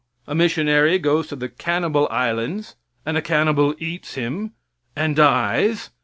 A missionary goes to the cannibal islands and a cannibal eats him and dies.